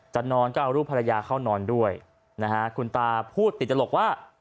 นอนก็เอารูปภรรยาเข้านอนด้วยนะฮะคุณตาพูดติดตลกว่า